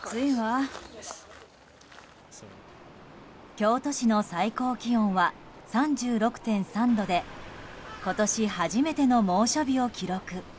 京都市の最高気温は３６．３度で今年初めての猛暑日を記録。